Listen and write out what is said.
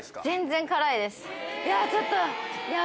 いやちょっと。